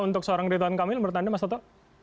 untuk seorang gretan kang emil menurut anda mas toto